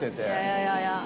いやいや。